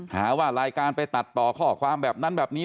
หาว่ารายการไปตัดต่อข้อความแบบนั้นแบบนี้